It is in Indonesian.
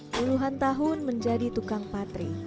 puluhan tahun menjadi tukang patri